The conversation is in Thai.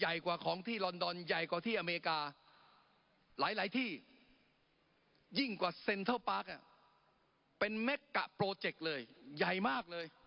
ใหญ่กว่าของที่ลอนดอนใหญ่กว่าที่อเมริกา